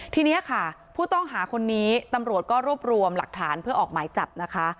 ทีนี้ค่ะผู้ต้องหาคนนี้ตำรวจก็รวบรวมหลักฐานเพื่อออกหมายจับนะคะ